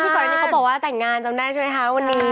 พี่ภัทรไทยที่เขาบอกว่าแต่งงานใช่ไหมครับวันนี้